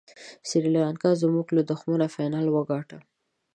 سریلانکا زموږ له دښمنه فاینل وګاټه.